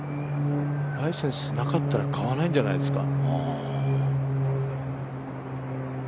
ライセンスなかったら買わないんじゃないですか。